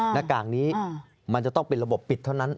หน้ากากนี้มันจะต้องเป็นระบบปิดเท่านั้น